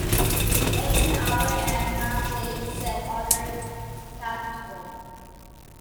“It’s an hour an’ a half late,” said Arthur pathetically.